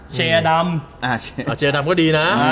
เชียร์ดำ